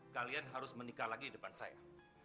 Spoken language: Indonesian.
kalian harus menikah lagi di depan saya